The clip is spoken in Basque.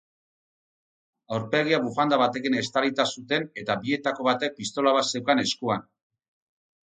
Aurpegia bufanda batekin estalita zuten eta bietako batek pistola bat zeukan eskuan.